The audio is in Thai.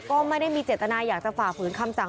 ก็ไม่ได้มีเจตนาอยากจะฝ่าฝืนคำสั่ง